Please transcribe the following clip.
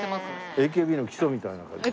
ＡＫＢの基礎みたいな感じ。